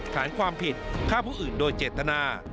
ฐานความผิดฆ่าผู้อื่นโดยเจตนา